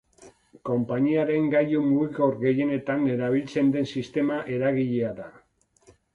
Konpainiaren gailu mugikor gehienetan erabiltzen den sistema eragilea da.